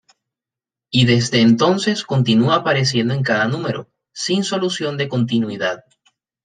Y desde entonces continúa apareciendo en cada número, sin solución de continuidad.